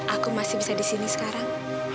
aku masih bisa di sini sekarang